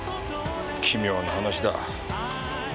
奇妙な話だ。